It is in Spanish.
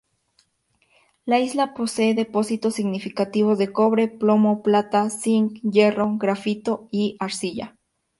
La isla posee depósitos significativos de cobre, plomo, plata, cinc, hierro, grafito y arcilla.